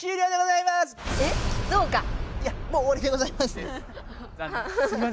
いやもうおわりでございます。